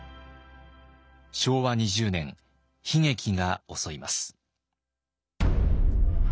昭和２０年悲劇が襲います。